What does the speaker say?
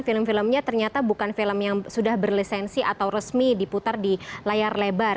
film filmnya ternyata bukan film yang sudah berlisensi atau resmi diputar di layar lebar